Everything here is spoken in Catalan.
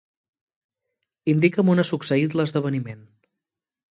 Indica'm on ha succeït l'esdeveniment.